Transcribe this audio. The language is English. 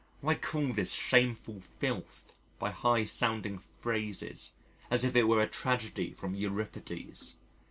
Why call this shameful Filth by high sounding phrases as if it were a tragedy from Euripides?